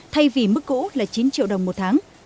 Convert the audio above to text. thay vì mức cũ là chín triệu đồng một tháng